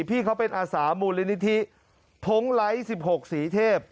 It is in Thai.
พี่เขาเป็นอาสามูลนิธิท้งไลท์๑๖สีเทพ